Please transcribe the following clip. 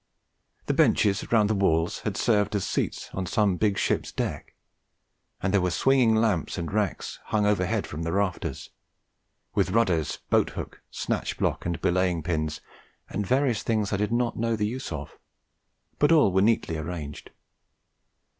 The benches round the walls had served as seats on some big ship's deck; and there were swinging lamps and racks hung overhead from the rafters, with rudders, boat hook, snatch block, belaying pins, and various things I did not know the use of; but all were neatly arranged.